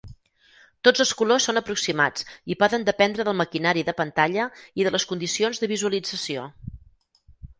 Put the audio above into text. Tots els colors són aproximats i poden dependre del maquinari de pantalla i de les condicions de visualització.